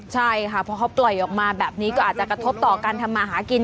ใช่ค่ะเพราะเขาปล่อยออกมาแบบนี้ก็อาจจะกระทบต่อการทำมาหากิน